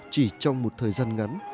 chỉ trong một thời gian ngắn